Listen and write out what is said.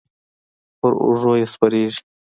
پر اوږو یې سپرېږي.